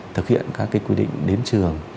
thực hiện các cái quy định đến trường